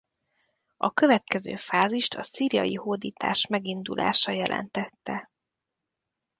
A következő fázist a szíriai hódítás megindulása jelentette.